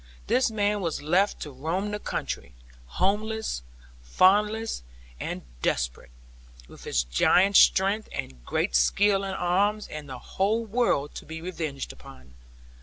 This man was left to roam the country, homeless, foodless, and desperate, with his giant strength, and great skill in arms, and the whole world to be revenged upon.